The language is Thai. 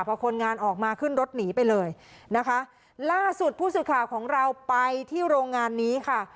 พอคนงานออกมาขึ้นรถหนีไปเลยนะคะล่าสุดผู้สื่อข่าวของเราไปที่โรงงานนี้ค่ะ